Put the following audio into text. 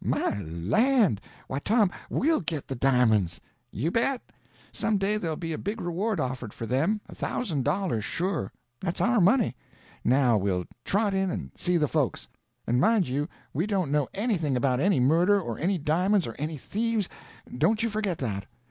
"My land! Why, Tom, we'll get the di'monds!" "You bet. Some day there'll be a big reward offered for them—a thousand dollars, sure. That's our money! Now we'll trot in and see the folks. And mind you we don't know anything about any murder, or any di'monds, or any thieves—don't you forget that."